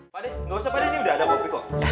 pade gak usah pade ini udah ada kopi kok